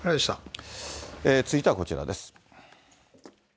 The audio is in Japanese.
続いてはこちらです。